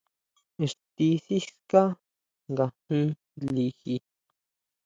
Ixti siská nga jin liji.